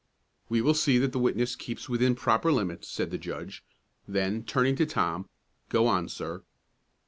"We will see that the witness keeps within proper limits," said the judge; then, turning to Tom, "Go on, sir."